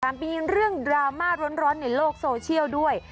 มีเรื่องดราม่าร้อนในโลกโซเชียลด้วย